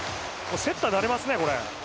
セッターなれますね、これ。